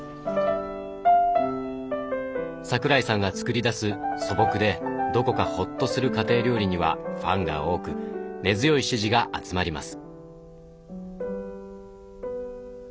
桜井さんが作り出す素朴でどこかホッとする家庭料理にはファンが多く根強い支持が集まります。